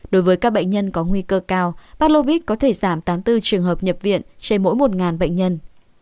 đối với các bệnh nhân có nguy cơ cao ba lôi có thể giảm tám mươi bốn trường hợp nhập viện trên mỗi một bệnh nhân